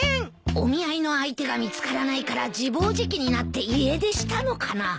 お見合いの相手が見つからないから自暴自棄になって家出したのかな。